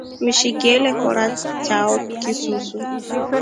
Mshiki alekora choa kisusu.